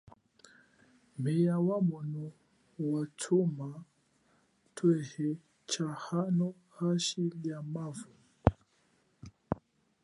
Meya wemono watshuma tsheswe tsha hano hashi lia mavu.